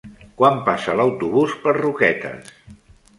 Quan passa l'autobús per Roquetes?